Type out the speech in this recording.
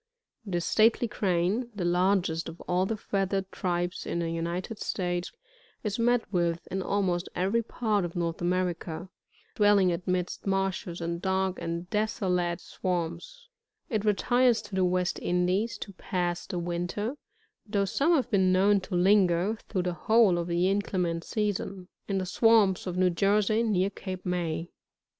This stately Crane, the largest of all the feathered tiribes |p the United States, is met with in almost every part ef North America, dwelling amidst marshes, and dark and deso late swamps ; it retires to the West Indies to pass the winter, though some have been known to linger, through the whole of the inclement season, in the swamps of New Jersey, near Cape May.